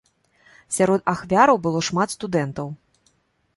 Сярод ахвяраў было шмат студэнтаў.